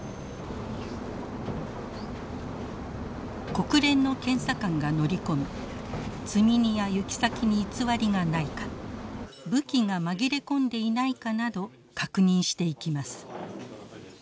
国連の検査官が乗り込み積み荷や行き先に偽りがないか武器が紛れ込んでいないかなど確認していきます。